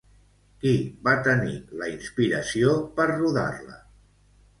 Qui va tenir la inspiració per rodar-la?